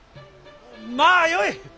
まあよい。